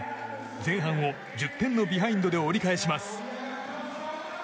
前半を１０点のビハインドで折り返します。